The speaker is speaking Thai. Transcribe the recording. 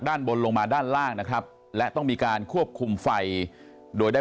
ด้านบนลงมาด้านล่างนะครับและต้องมีการควบคุมไฟโดยได้